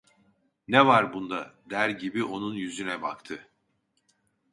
"Ne var bunda?" der gibi onun yüzüne baktı.